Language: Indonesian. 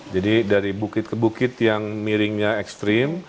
jadi dari bukit ke bukit yang miringnya ekstrim